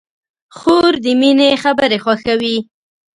خور د مینې خبرې خوښوي.